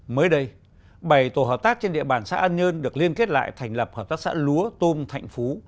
mới đây bảy tổ hợp tác trên địa bàn xã an nhơn được liên kết lại thành lập hợp tác xã lúa tôm thạnh phú